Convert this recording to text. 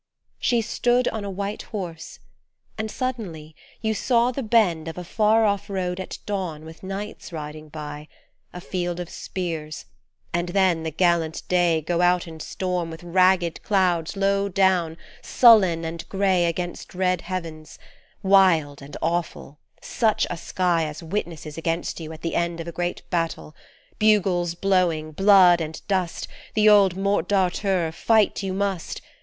She stood on a white horse and suddenly you saw the bend Of a far off road at dawn, with knights riding by, A field of spears and then the gallant day Go out in storm, with ragged clouds low down, sullen and grey Against red heavens : wild and awful, such a sky As witnesses against you at the end Of a great battle ; bugles blowing, blood and dust The old Morte d' Arthur, fight you must